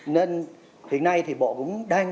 nên hiện nay thì bộ cũng đang